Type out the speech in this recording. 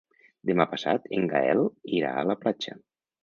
Demà passat en Gaël irà a la platja.